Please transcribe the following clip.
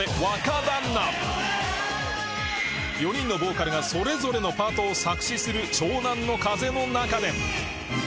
４人のボーカルがそれぞれのパートを作詞する湘南乃風の中で